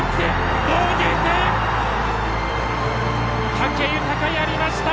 武豊やりました！